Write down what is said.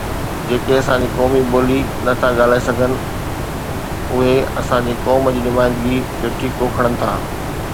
جيڪي اسان جي قومي ٻولي نٿا ڳالهائي سگهن، اهي اسان جي قوم جي نمائندگيءَ جو ٺيڪو کڻن ٿا.